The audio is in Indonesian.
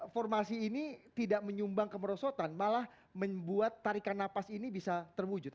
formasi ini tidak menyumbang kemerosotan malah membuat tarikan napas ini bisa terwujud